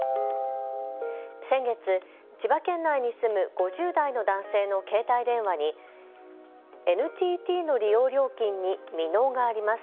先月、千葉県内に住む５０代の男性の携帯電話にＮＴＴの利用料金に未納があります。